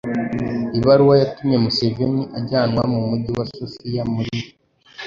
ibaruwa yatumye Museveni ajyanwa mu Mujyi wa Sofia muri